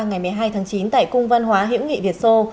ngày một mươi hai tháng chín tại cung văn hóa hữu nghị việt sô